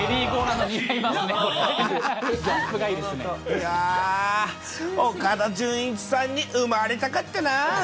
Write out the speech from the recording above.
いやー、岡田准一さんに生まれたかったな。